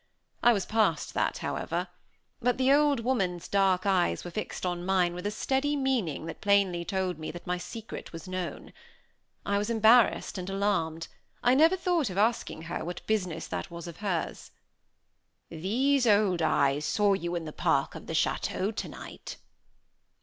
I was past that, however; but the old woman's dark eyes were fixed on mine with a steady meaning that plainly told me that my secret was known. I was embarrassed and alarmed; I never thought of asking her what business that was of hers. "These old eyes saw you in the park of the château tonight."